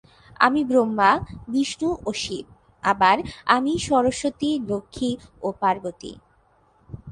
আমি ব্রহ্মা, বিষ্ণু ও শিব; আবার আমিই সরস্বতী, লক্ষ্মী ও পার্বতী।